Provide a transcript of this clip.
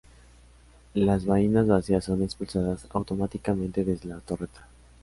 Las vainas vacías son expulsadas automáticamente desde la torreta.